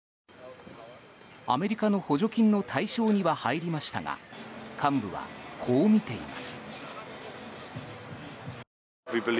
アメリカの補助金の対象には入りましたが幹部はこう見ています。